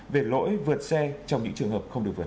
về lỗi vượt xe trong những trường hợp không được vượt